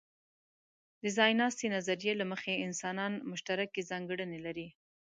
د ځایناستې نظریې له مخې، انسانان مشترکې ځانګړنې لري.